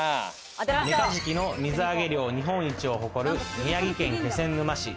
メカジキの水揚げ量日本一を誇る、宮城県気仙沼市。